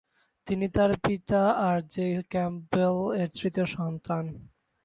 তিনি তার পিতা আর জে ক্যাম্পবেল এর তৃতীয় সন্তান।